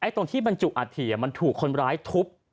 ตรงที่จุอัฐิมันถูกคนร้ายทุบ